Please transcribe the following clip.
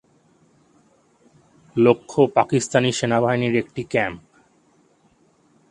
লক্ষ্য, পাকিস্তানি সেনাবাহিনীর একটি ক্যাম্প।